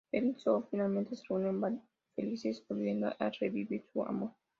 Él y Soo Ah finalmente se reúnen felices volviendo a revivir su amor.